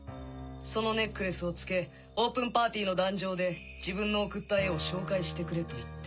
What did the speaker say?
そのネックレスを着けオープンパーティーの壇上で自分の贈った絵を紹介してくれと言って。